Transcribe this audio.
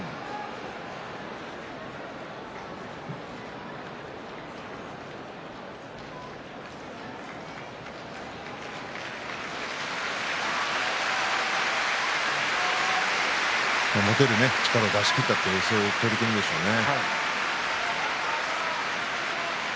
拍手持てる力を出し切った取組なんでしょうね。